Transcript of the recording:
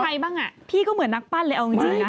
ใครบ้างอ่ะพี่ก็เหมือนนักปั้นเลยเอาจริงนะ